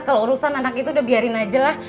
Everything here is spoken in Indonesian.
kalau urusan anak itu udah biarin aja lah